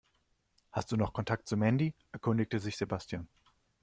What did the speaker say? Hast du noch Kontakt zu Mandy?, erkundigte sich Sebastian.